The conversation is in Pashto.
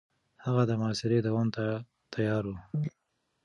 هغه د محاصرې دوام ته تيار و.